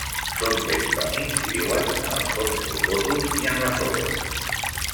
Són bentònics i viuen en els fons rocosos i en la sorra.